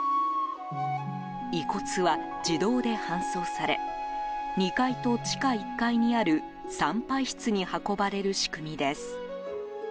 遺骨は自動で搬送され２階と地下１階にある参拝室に運ばれる仕組みです。